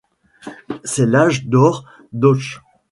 C'est l'âge d'or d'Auch.